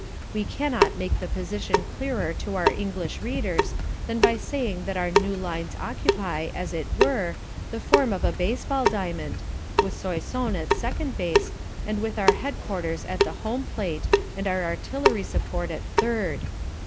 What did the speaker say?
We cannot make the position clearer to our English readers than by saying that our new lines occupy, as it were, the form of a baseball diamond, with Soissons at second base and with our headquarters at the home plate and our artillery support at third.